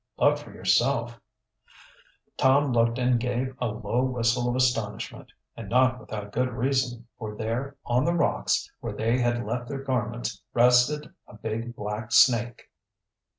"Look for yourself." Tom looked and gave a low whistle of astonishment. And not without good reason, for there on the rocks where they had left their garments rested a big black snake!